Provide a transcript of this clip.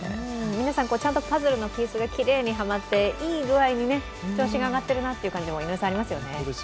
皆さんちゃんとパズルのピースがはまって、いい具合に調子が上がってるなというのもありますよね。